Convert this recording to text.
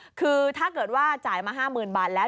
คือถ้าเกิดว่าจ่ายมา๕๐๐๐บาทแล้ว